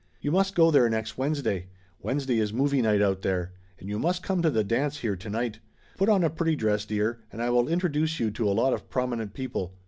You must go there next Wednesday. Wednesday is movie night out there. And you must come to the dance here to night. Put en a pretty dress, dear, and I wil introduce you to a lot of prominent people.